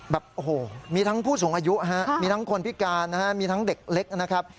แบบโอ้โหมีทั้งผู้สูงอายุฮะมีทั้งคนพิการนะฮะมีทั้งเด็กเล็กนะครับ